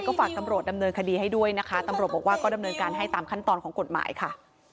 ฝากตำรวจดำเนินคดีให้ด้วยนะคะตำรวจบอกว่าก็ดำเนินการให้ตามขั้นตอนของกฎหมายค่ะ